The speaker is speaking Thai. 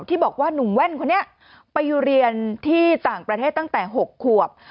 ที่บอกว่าหนุ่มแว่นคนนี้ไปเรียนที่ต่างประเทศตั้งแต่๖ขวบ